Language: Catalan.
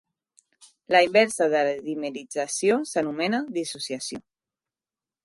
La inversa de la dimerització s'anomena dissociació.